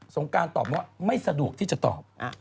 งการตอบว่าไม่สะดวกที่จะตอบ